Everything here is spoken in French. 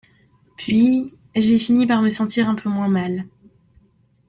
Puis, j’ai fini par me sentir un peu moins mal.